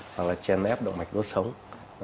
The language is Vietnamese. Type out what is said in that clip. hoặc là chèn ép động mạch đốt sông cổ